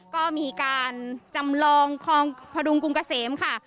ก็มีการจำลองคลองพดุงกรุงเกษมค่ะ